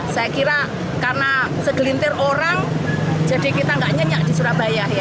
saya kira karena segelintir orang jadi kita nggak nyenyak di surabaya